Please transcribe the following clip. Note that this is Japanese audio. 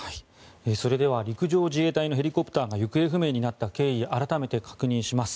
それでは陸上自衛隊のヘリコプターが行方不明になった経緯改めて確認します。